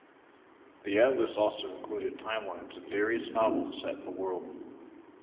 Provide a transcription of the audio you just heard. The atlas also included timelines of various novels set in the world.